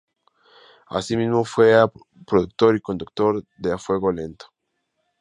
Asimismo fue productor y conductor de "A Fuego Lento".